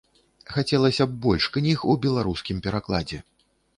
Хацелася б больш кніг у беларускім перакладзе.